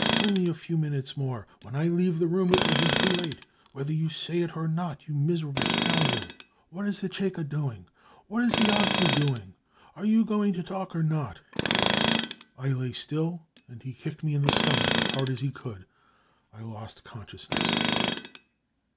Only a few minutes more : when I leave the room ^ will be too latf*, whether you say it or not. You miserable scoundrel ! What is the Cheka doing ? What is the Ogpu doing ? Are you going to talk or not ? 5 I lay still, and he kicked me in the stomach as hard as he could. I lost consciousness.